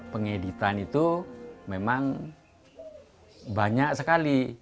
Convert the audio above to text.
pengeditan itu memang banyak sekali